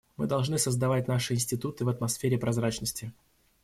Мы должны создавать наши институты в атмосфере прозрачности.